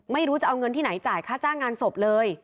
ไม่รู้จะเอาเงินที่ไหนจ่ายค่าจ้างงานศพเลย